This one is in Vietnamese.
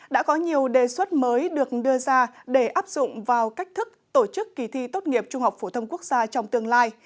đã có nhiều đề xuất mới được đưa ra để áp dụng vào cách thức tổ chức kỳ thi tốt nghiệp trung học phổ thông quốc gia trong tương lai